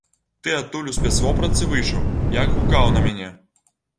Ты адтуль у спецвопратцы выйшаў, як гукаў на мяне?